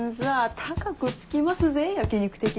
高くつきますぜ焼き肉的な。